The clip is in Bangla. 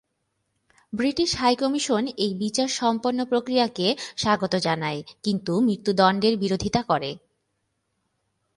ব্রিটিশ হাই কমিশন এই বিচার সম্পন্ন প্রক্রিয়াকে স্বাগত জানায় কিন্তু মৃত্যুদণ্ডের বিরোধিতা করে।